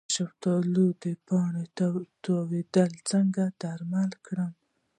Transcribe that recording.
د شفتالو د پاڼو تاویدل څنګه درمل کړم؟